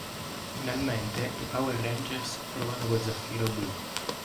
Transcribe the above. Finalmente, i Power Rangers trovano lo Zaffiro Blu.